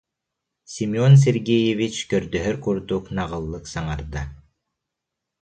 Семен Сергеевич көрдөһөр курдук наҕыллык саҥарда